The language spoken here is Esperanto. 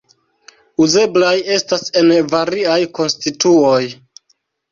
Uzeblaj estas en variaj konstituoj.